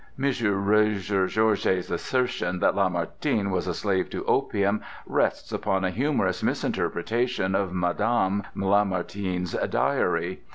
M. Rougegorge's assertion that Lamartine was a slave to opium rests upon a humorous misinterpretation of Mme. Lamartine's diary.